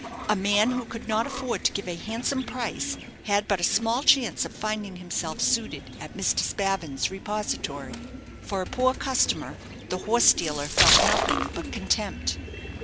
A man who could not afford to give a handsome price had but a small chance of finding himself suited at Mr. Spavin's repository. For a poor customer the horse dealer felt nothing but contempt.